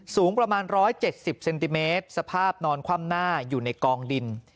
สูงประมาณ๑๗๐เซนติเมตรสภาพนอนคว่ำหน้าอยู่ในกองดิน